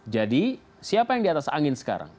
jadi siapa yang di atas angin sekarang